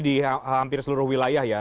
di hampir seluruh wilayah ya